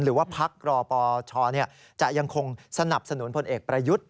หรือว่าปเภพปชก็ยังคงสนับสนุนพลเอกประยุทธภรรณ์